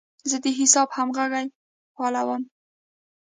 زه د حساب همغږي فعالوم.